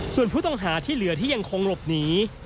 ส่วนผู้ต้องหาที่เหลือที่ยังคงหลบหนี